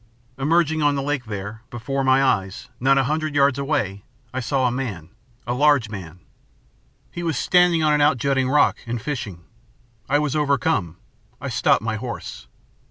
"Emerging on the lake, there, before my eyes, not a hundred yards away, I saw a man, a large man. He was standing on an outjutting rock and fishing. I was overcome. I stopped my horse.